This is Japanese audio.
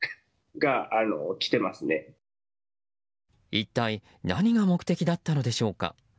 一体何が目的だったのでしょうか。